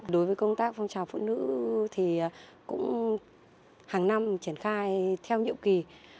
đối với công tác phong trào phụ nữ thì cũng hàng năm triển khai theo nhiệm kỳ